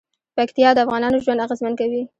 پکتیا د افغانانو ژوند اغېزمن کوي.